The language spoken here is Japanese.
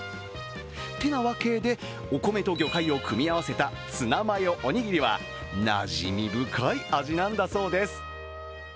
てなわけで、お米と魚介と組み合わせたツナマヨおにぎりはなじみ深い味なんだそうです。